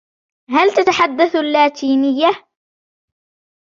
هل تتحدث اللاتينية ؟